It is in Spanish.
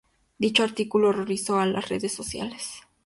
Dicho artículo horrorizó a las redes sociales.